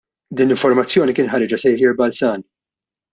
Din l-informazzjoni kien ħariġha Saviour Balzan.